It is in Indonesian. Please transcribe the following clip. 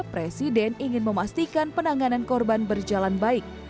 presiden ingin memastikan penanganan korban berjalan baik